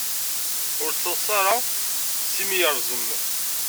Ur ttadṣa ara s yimi ireẓmen.